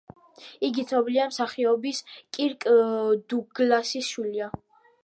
იგი ცნობილი მსახიობის კირკ დუგლასის შვილია.